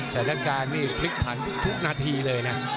แสดงการนี่พลิกผันทุกนาทีเลยนะ